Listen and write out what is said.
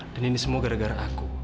dan ini semua gara gara aku